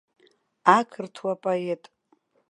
Ақырҭуа поет.